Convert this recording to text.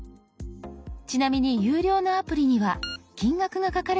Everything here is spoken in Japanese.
ちなみに有料のアプリには金額が書かれています。